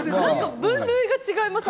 分類が違います。